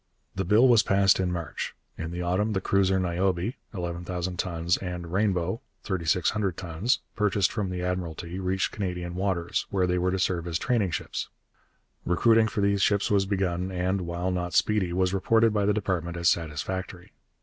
The bill was passed in March. In the autumn the cruiser Niobe (11,000 tons) and the Rainbow (3600 tons), purchased from the Admiralty, reached Canadian waters, where they were to serve as training ships. Recruiting for these ships was begun and, while not speedy, was reported by the department as satisfactory.